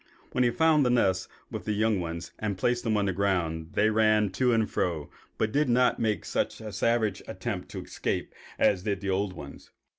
When he found the nest with the young ones and placed them on the ground, they ran to and fro, but did not make such savage attempts to escape as did the old ones.